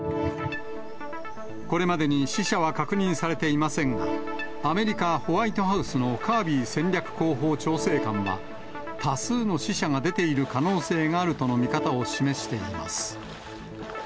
これまでに死者は確認されていませんが、アメリカ、ホワイトハウスのカービー戦略広報調整官は、多数の死者が出ている可能性があるとの見方を示しています。